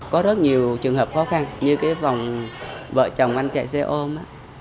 có rất nhiều trường hợp khó khăn như cái vòng vợ chồng anh chạy xe ôm